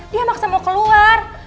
dia maksa mau keluar